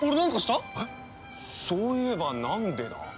えっそういえばなんでだ？